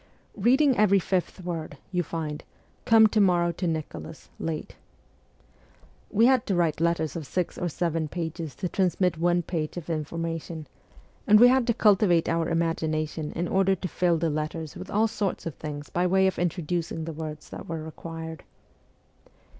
Reading each fifth word, you find :' Come to morrow to Nicholas, late.' We had to write letters of six or seven pages to transmit one page of information, and we had to cultivate our imagination in order to fill the letters with all sorts of things by way of introducing the words that were required.